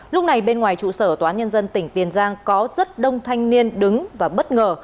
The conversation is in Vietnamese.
lúc này bên ngoài trụ sở tòa nhân dân tỉnh tiền giang có rất đông thanh niên đứng và bất ngờ